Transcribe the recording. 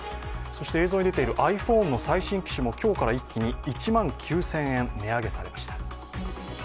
そして映像に出ているｉＰｈｏｎｅの最新機種も今日から一気に１万９０００円値上げされました。